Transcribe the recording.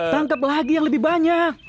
tangkap lagi yang lebih banyak